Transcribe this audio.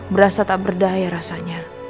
berasa tak berdaya rasanya